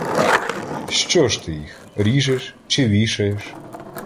— Що ж ти їх — ріжеш чи вішаєш?